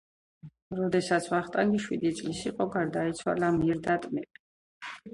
როდესაც ვახტანგი შვიდი წლის იყო გარდაიცვალა მირდატ მეფე